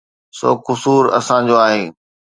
سو قصور اسان جو آهي.